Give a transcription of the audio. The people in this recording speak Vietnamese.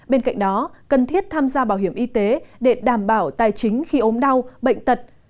bên cạnh đó cần thiết tham gia bảo hiểm y tế để đảm bảo tài chính khi ốm đau bệnh tật